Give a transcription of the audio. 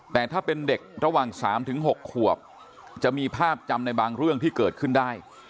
แต่ถ้าเป็นเด็กระหว่าง๓๖ขวบจะมีภาพจำในบางเรื่องที่เกิดขึ้นได้